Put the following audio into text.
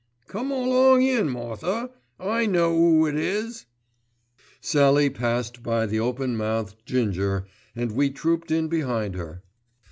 "Come along in, Martha, I know 'oo it is." Sallie passed by the open mouthed Ginger, and we trooped in behind her.